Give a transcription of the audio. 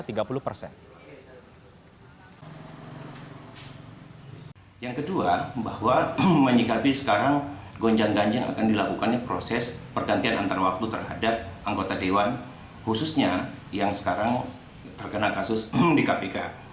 yang kedua bahwa menyikapi sekarang gonjang ganja akan dilakukan proses pergantian antar waktu terhadap anggota dewan khususnya yang sekarang terkena kasus di kpk